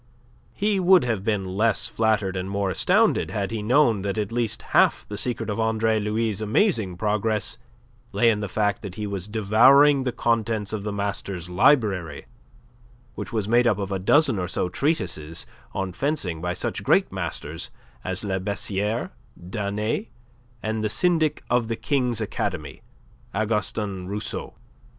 He would have been less flattered and more astounded had he known that at least half the secret of Andre Louis' amazing progress lay in the fact that he was devouring the contents of the master's library, which was made up of a dozen or so treatises on fencing by such great masters as La Bessiere, Danet, and the syndic of the King's Academy, Augustin Rousseau.